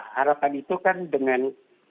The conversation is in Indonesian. harapan itu kan dengan